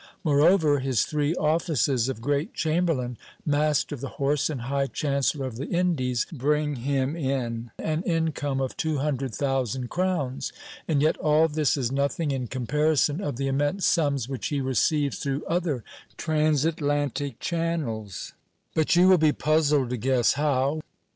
Moreover, his three offices of great chamberlain, master of the horse, and high chancellor of the Indies, bring him in an income of two hundred thousand crowns ; and yet all this is nothing in comparison of the immense sums which he receives through other transatlantic channels ; but you will be puzzled to guess how.